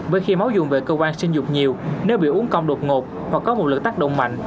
với khi máu dùng về cơ quan sinh dục nhiều nếu bị uống còng đột ngột hoặc có một lực tác động mạnh